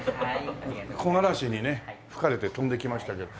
木枯らしにね吹かれて飛んで来ましたけど。